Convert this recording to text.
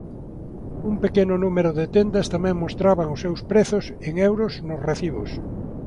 Un pequeno número de tendas tamén mostraban os seus prezos en euros nos recibos.